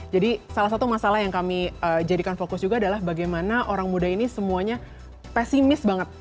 salah satu masalah yang kami jadikan fokus juga adalah bagaimana orang muda ini semuanya pesimis banget